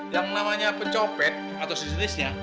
yang namanya pencopet atau si jenisnya